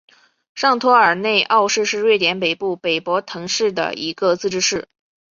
上托尔内奥市是瑞典北部北博滕省的一个自治市。